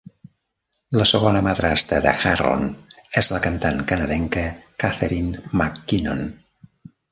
La segona madrastra de Harron és la cantant canadenca Catherine McKinnon.